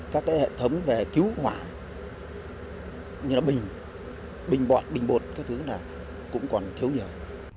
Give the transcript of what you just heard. các hệ thống về cứu hỏa như bình bình bọt bình bột các thứ cũng còn thiếu nhiều